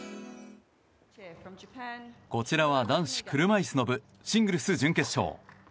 こちらは男子車いすの部シングルス準決勝。